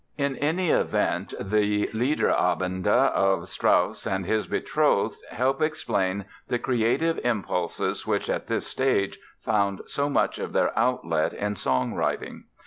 In any event the Lieder Abende of Strauss and his betrothed help explain the creative impulses which at this stage found so much of their outlet in song writing.